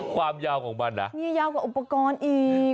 ความยาวของมันนะมียาวกว่าอุปกรณ์อีก